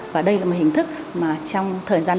và đây là một hình thức mà trong thời gian tới